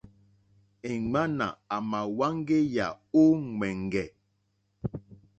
Èŋwánà àmà wáŋgéyà ó ŋwɛ̀ŋgɛ̀.